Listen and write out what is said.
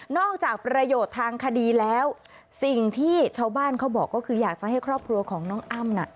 จากประโยชน์ทางคดีแล้วสิ่งที่ชาวบ้านเขาบอกก็คืออยากจะให้ครอบครัวของน้องอ้ำน่ะ